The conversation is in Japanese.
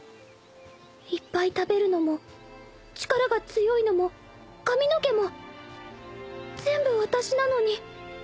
いっぱい食べるのも力が強いのも髪の毛も全部私なのに